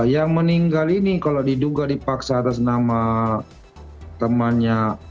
yang meninggal ini kalau diduga dipaksa atas nama temannya